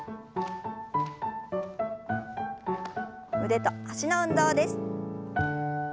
腕と脚の運動です。